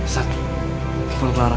satu kepol clara